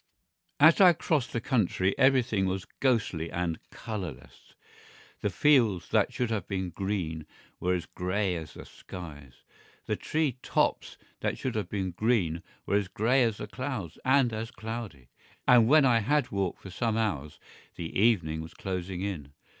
As I crossed the country everything was ghostly and colourless. The fields that should have been green were as grey as the skies; the tree tops that should have been green were as grey as the clouds and as cloudy. And when I had walked for some hours the evening was closing in.